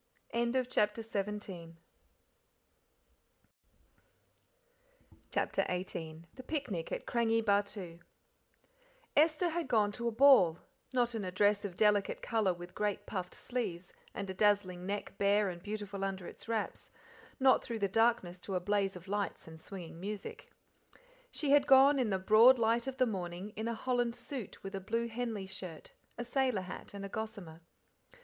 CHAPTER XVIII The Picnic at Krangi Bahtoo Esther had gone to a ball, not in a dress of delicate colour with great puffed sleeves, and a dazzling neck bare and beautiful under its wraps, not through the darkness to a blaze of lights and swinging music. She had gone, in the broad light of the morning, in a holland suit with a blue Henley shirt, a sailor hat, and a gossamer.